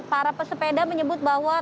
para pesepeda menyebut bahwa